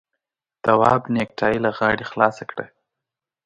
تواب نېکټايي له غاړې خلاصه کړه.